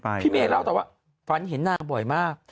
พี่เมย์เล่าต่อว่าฝันเห็นนางบ่อยมาก